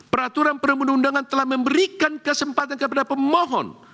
peraturan perundang undangan telah memberikan kesempatan kepada pemohon